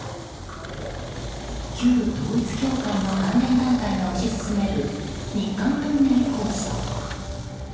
旧統一教会の関連団体が推し進める日韓トンネル構想。